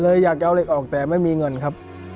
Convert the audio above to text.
อยากจะเอาเหล็กออกแต่ไม่มีเงินครับ